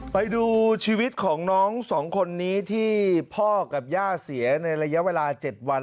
ไปดูชีวิตของน้องสองคนนี้ที่พ่อกับย่าเสียในระยะเวลา๗วัน